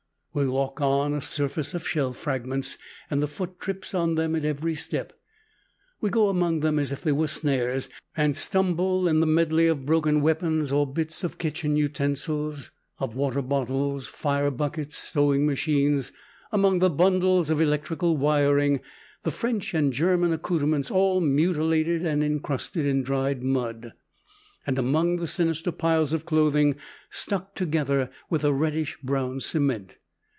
We walk on a surface of shell fragments, and the foot trips on them at every step. We go among them as if they were snares, and stumble in the medley of broken weapons or bits of kitchen utensils, of water bottles, fire buckets, sewing machines, among the bundles of electrical wiring, the French and German accouterments all mutilated and encrusted in dried mud, and among the sinister piles of clothing, stuck together with a reddish brown cement.